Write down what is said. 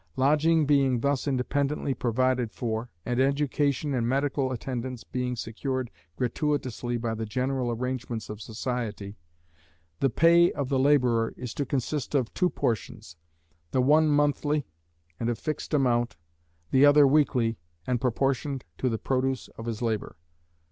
Lodging being thus independently provided for, and education and medical attendance being secured gratuitously by the general arrangements of society, the pay of the labourer is to consist of two portions, the one monthly, and of fixed amount, the other weekly, and proportioned to the produce of his labour.